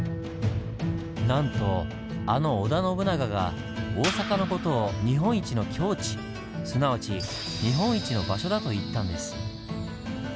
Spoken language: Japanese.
なんとあの織田信長が大阪の事を「日本一の境地」すなわち日本一の場所だと言ったんです。